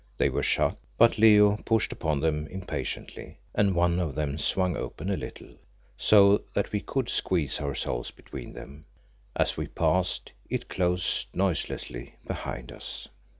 They were shut, but Leo pushed upon them impatiently, and one of them swung open a little, so that we could squeeze ourselves between them. As we passed it closed noiselessly behind us.